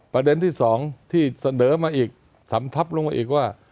ประเด็นที่๒ที่เสนอมาอีกสำทับลงมาอีกว่า